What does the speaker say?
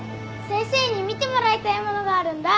先生に見てもらいたい物があるんだ。